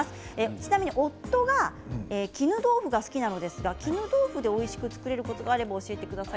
ちなみに夫が絹豆腐が好きなんですがおいしく作るコツがあれば教えてください。